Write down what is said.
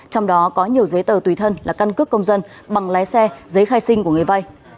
trong đó có nhiều giấy tờ tùy thân là căn cước công dân bằng lái xe giấy khai sinh của người vay